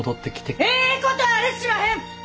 ええことあれしまへん！